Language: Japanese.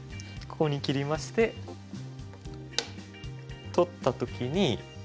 ここに切りまして取った時に。